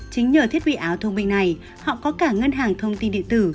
chính nhờ thiết bị áo thông minh này họ có cả ngân hàng thông tin điện tử